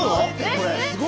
これ。